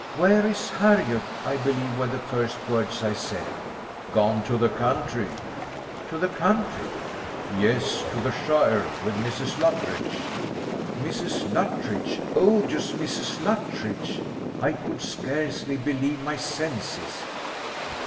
'Where is Harriot?' I believe, were the first words I said. 'Gone to the country.' 'To the country!' 'Yes; to shire, with Mrs. Luttridge.' Mrs. Luttridge odious Mrs. Luttridge! I could scarcely believe my senses.